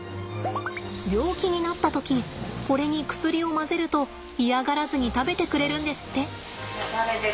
病気になった時これに薬を混ぜると嫌がらずに食べてくれるんですって。